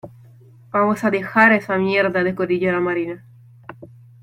vamos a dejar esa mierda de cordillera marina.